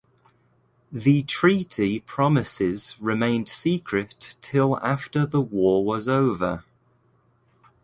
The treaty promises remained secret till after the war was over.